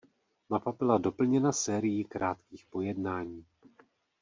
Mapa byla doplněna sérií krátkých pojednání.